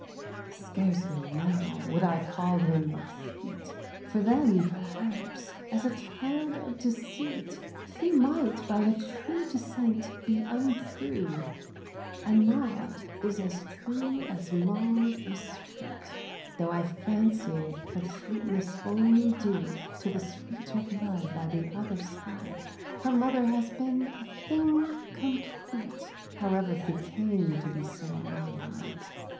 Scarcely, now, would I call him a cheat; For then, perhaps, as a child of deceit, She might by a true descent be untrue; And Maud is as true as Maud is sweet: Tho' I fancy her sweetness only due To the sweeter blood by the other side; Her mother has been a thing complete, However she came to be so allied.